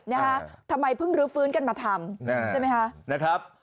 นะฮะทำไมเพิ่งรื้อฟื้นกันมาทำใช่ไหมคะนะครับ